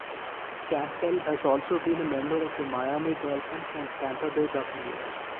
Campbell has also been a member of the Miami Dolphins and Tampa Bay Buccaneers.